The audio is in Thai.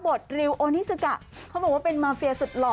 มารับบทริลโอนิสุกะเขาบอกว่าเป็นมาเฟียสุดหล่อ